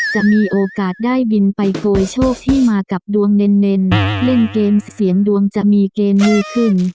จะมีโอกาสได้บินไปโกยโชคที่มากับดวงเน็นเล่นเกมเสียงดวงจะมีเกณฑ์ง่ายขึ้น